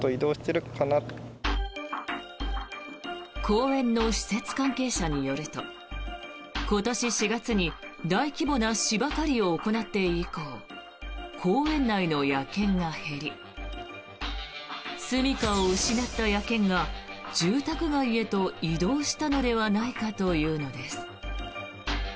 公園の施設関係者によると今年４月に大規模な芝刈りを行って以降公園内の野犬が減りすみかを失った野犬が住宅街へと移動したのではないかというのです。